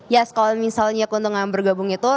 yes kalau misalnya keuntungan bergabung itu